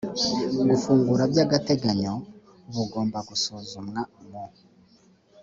gufungura by agateganyo bugomba gusuzumwa mu